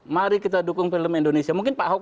mari kita dukung film indonesia mungkin pak ahok